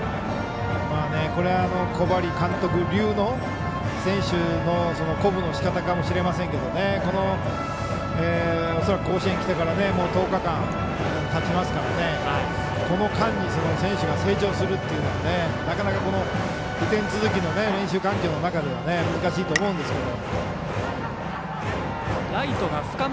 小針監督流の選手の鼓舞のしかたかもしれませんけどおそらく甲子園来てから１０日間、たちますからこの間に選手が成長するっていうのはなかなか雨天続きの練習環境の中で難しいと思うんですけど。